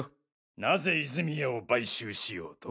なぜ泉谷を買収しようと？